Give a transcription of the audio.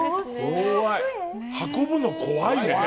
運ぶの怖いね。